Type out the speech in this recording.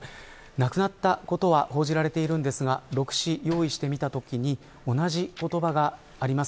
亡くなったことが報じられていますが６紙用意したときに同じ言葉があります。